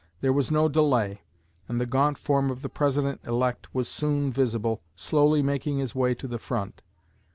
There was no delay, and the gaunt form of the President elect was soon visible, slowly making his way to the front.